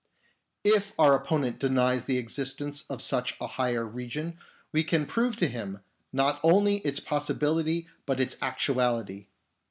If our opponent denies the existence of such a higher region, we can prove to him, not only its possibility, but its actuality.